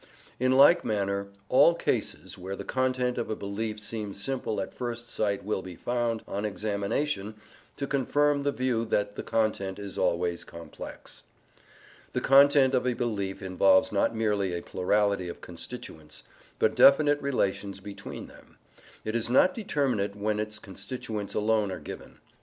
In like manner all cases where the content of a belief seems simple at first sight will be found, on examination, to confirm the view that the content is always complex. The content of a belief involves not merely a plurality of constituents, but definite relations between them; it is not determinate when its constituents alone are given.